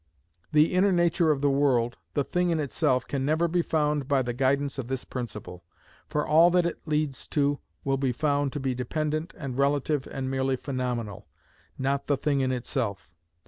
The inner nature of the world, the thing in itself can never be found by the guidance of this principle, for all that it leads to will be found to be dependent and relative and merely phenomenal, not the thing in itself.